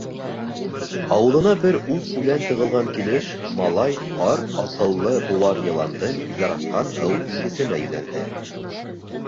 Ауыҙына бер ус үлән тығылған килеш малай ҡарт, аҡыллы быуар йыландың яратҡан һыуингесенә йүнәлде.